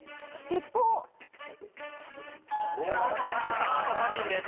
さああと３人です。